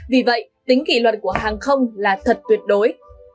vì vậy tính kỷ luật của hàng không là thật tuyệt đối